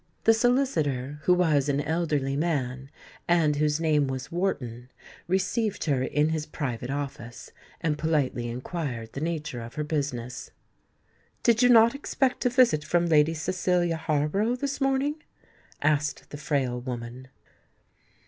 The solicitor, who was an elderly man, and whose name was Wharton, received her in his private office, and politely inquired the nature of her business. "Did you not expect a visit from Lady Cecilia Harborough this morning?" asked the frail woman.